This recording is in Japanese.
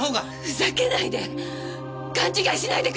ふざけないで！